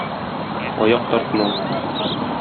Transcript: Аяк тартмау.